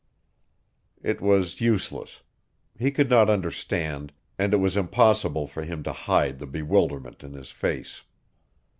It was useless. He could not understand, and it was impossible for him to hide the bewilderment in his face.